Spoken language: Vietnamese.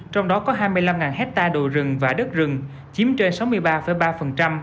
trong đó có hai mươi năm hecta đồi rừng và đất rừng chiếm trên sáu mươi ba ba